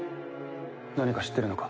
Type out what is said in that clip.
何か知ってるのか？